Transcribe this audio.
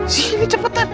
tidak ini cepetan